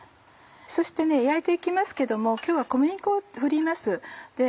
そして焼いて行きますけども今日は小麦粉を振ります。